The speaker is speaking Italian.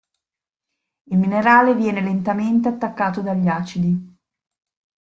Il minerale viene lentamente attaccato dagli acidi.